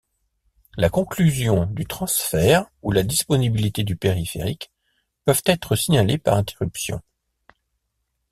La conclusion du transfert ou la disponibilité du périphérique peuvent être signalés par interruption.